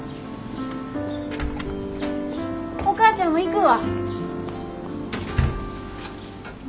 お母ちゃんも行くわ。